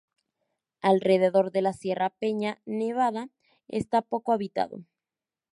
Alrededor de la Sierra Peña Nevada está poco habitado.